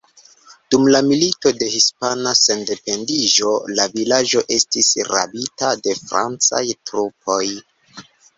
Dum la Milito de Hispana Sendependiĝo la vilaĝo estis rabita de francaj trupoj.